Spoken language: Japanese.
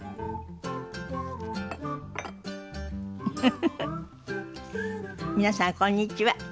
フフフフ皆さんこんにちは。